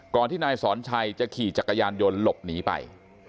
ที่นายสอนชัยจะขี่จักรยานยนต์หลบหนีไป